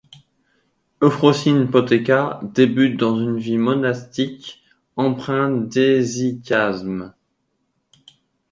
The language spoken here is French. Eufrosin Poteca débute dans une vie monastique empreinte d'hésychasme.